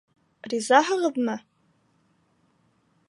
Ризаһығыҙмы?